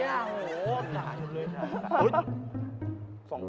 แต่ถ่ายกันเลย